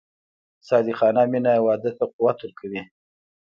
صادقانه مینه واده ته قوت ورکوي.